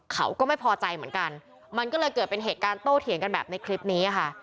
เขาก็ไม่พอใจเหมือนกันมันก็เลยเกิดเป็นเหตุการณ์โต้เถียงกันแบบในคลิปนี้ค่ะ